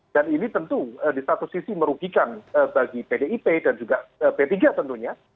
dan ini tentu di satu sisi merugikan bagi pdip dan juga p tiga tentunya